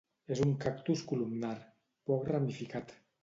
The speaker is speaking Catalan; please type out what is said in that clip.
És un cactus columnar, poc ramificat.